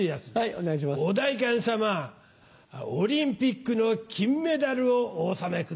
お代官様オリンピックの金メダルをお納めくだせぇ。